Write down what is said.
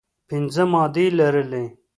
پنځه مادې لرلې.